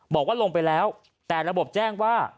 บอกว่าลงไปแล้วแต่ระบบแจ้งว่า